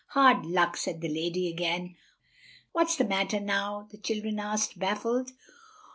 "Hard luck," said the lady again. "What's the matter now?" the children asked, baffled.